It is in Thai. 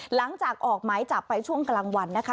หลังจากออกหมายจับไปช่วงกลางวันนะคะ